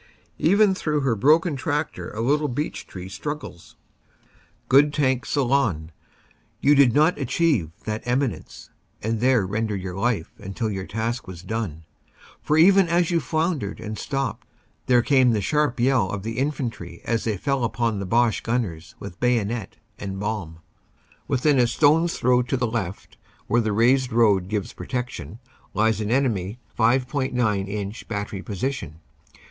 Even through her broken tractor a little beech tree struggles. Good tank "Ceylon." You did not achieve that eminence and there render your life until your task was done, for even as you floundered and stopped, there came the sharp yell of the infantry as they fell upon the Boche gunners with bayonet and bomb. Within a stone s throw to the left, where the raised road gives protection, lies an enemy 5.9 inch battery position.